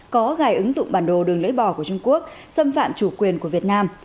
có gài ứng dụng bản đồ đường lưỡi bò của trung quốc xâm phạm chủ quyền của việt nam